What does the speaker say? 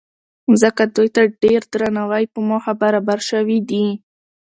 ځکه دوی ته د ډېر درناوۍ په موخه برابر شوي دي.